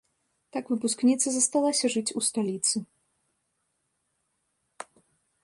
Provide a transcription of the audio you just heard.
Так выпускніца засталася жыць ў сталіцы.